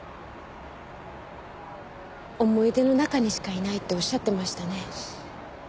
思い出の中にしかいないっておっしゃってましたね。